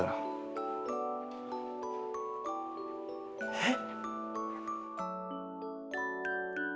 えっ。